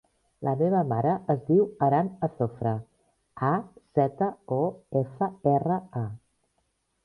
La meva mare es diu Aran Azofra: a, zeta, o, efa, erra, a.